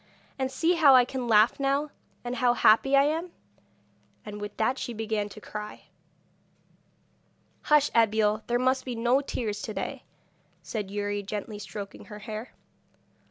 And see how I can laugh now, and how happy I am!' And with that she began to cry. 'Hush, Abeille! there must be no tears to day,' said Youri, gently stroking her hair.